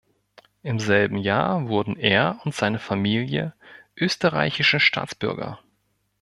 Im selben Jahr wurden er und seine Familie österreichische Staatsbürger.